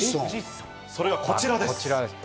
それがこちらです。